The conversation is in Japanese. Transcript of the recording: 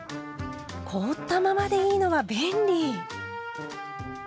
凍ったままでいいのは便利！